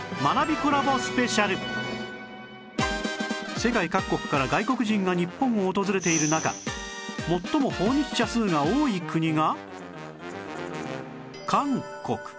世界各国から外国人が日本を訪れている中最も訪日者数が多い国が